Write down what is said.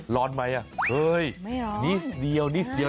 ร้อนไหมนิดเดียวนิดเดียว